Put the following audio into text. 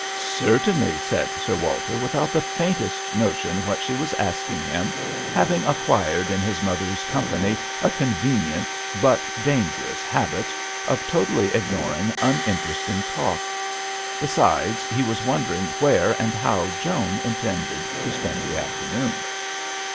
Certainly," said Sir Walter, without the faintest notion what she was asking him, having ac quired in his mother's company a convenient but dangerous habit of totally ignoring uninteresting talk. Besides, he was wondering where and how Joan intended to spend the afternoon.